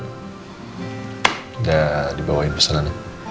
udah dibawain pesenannya